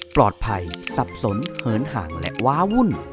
ปลอดภัยสับสนเหินห่างและว้าวุ่น